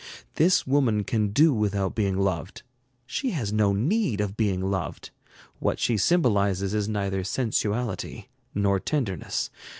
This woman can do without being loved. She has no need of being loved. What she symbolizes is neither sensuality nor tenderness.